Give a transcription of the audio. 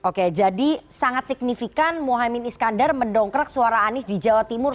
oke jadi sangat signifikan mohaimin iskandar mendongkrak suara anies di jawa timur